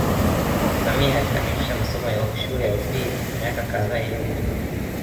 Samia alikamilisha masomo ya shule ya upili miaka kadhaa iliyopita